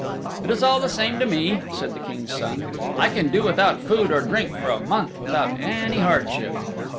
"It is all the same to me," said the King's Son, "I can do without food or drink for a month without any hardship."